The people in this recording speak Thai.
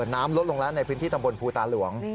น้ำลดลงแล้วในพื้นที่ตำบลภูตาหลวง